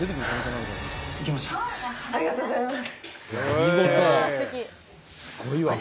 ありがとうございます。